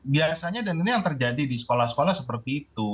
biasanya dan ini yang terjadi di sekolah sekolah seperti itu